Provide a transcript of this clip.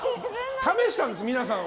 試したんです、皆さんを。